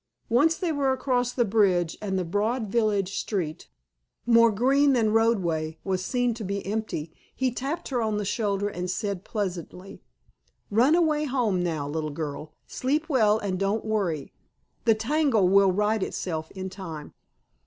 Once they were across the bridge, and the broad village street, more green than roadway, was seen to be empty, he tapped her on the shoulder and said pleasantly: "Run away home now, little girl. Sleep well, and don't worry. The tangle will right itself in time."